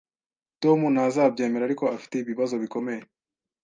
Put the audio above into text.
Tom ntazabyemera, ariko afite ibibazo bikomeye